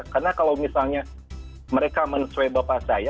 karena kalau misalnya mereka menesuai bapak saya